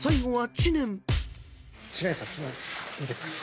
知念さんいいですか？